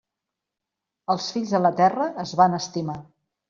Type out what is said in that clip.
Els Fills de la Terra es van estimar.